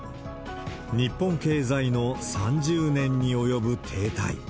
日本経済の３０年に及ぶ停滞。